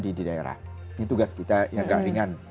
di daerah ini tugas kita yang kearingan